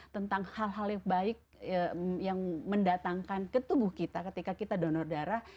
tentang hal hal yang baik yang mendatangkan ke tubuh kita ketika kita donor darah